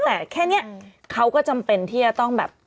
แต่แค่นี้เขาก็จำเป็นที่จะต้องแบบ